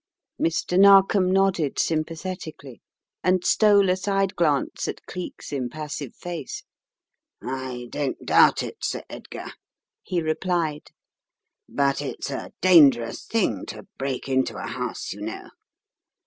Mr. Narkom nodded sympathetically, and stole a side glance at Cleek's impassive face. "I don't doubt it, Sir Edgar," he replied, "but it's a dangerous thing to break into a house, you know.